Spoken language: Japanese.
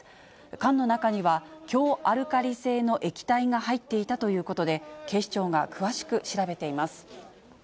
缶の中には、強アルカリ性の液体が入っていたということで、警視庁が詳しく調べています。